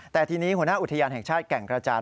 แต่ทีนี้หัวหน้าอุทยานแห่งชาติแก่งกระจาน